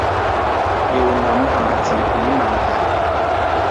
要諗下自己問題